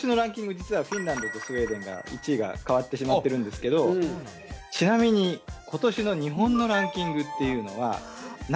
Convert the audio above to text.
実はフィンランドとスウェーデンが１位が替わってしまってるんですけどちなみに今年の日本のランキングっていうのは何位だと思いますか？